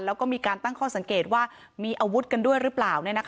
แล้วก็มีการตั้งข้อสังเกตว่ามีอาวุธกันด้วยหรือเปล่า